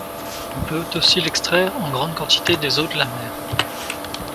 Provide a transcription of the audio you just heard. On peut aussi l'extraire en grande quantité des eaux de la mer.